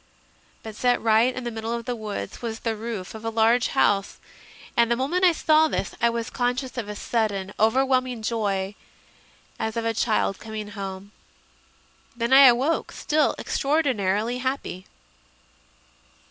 But set right in the middle of the woods was the roof of a large house, and the moment I saw this I was conscious of a sudden overwhelming joy, as of a child coming home. Then I awoke, still extraor dinarily happy.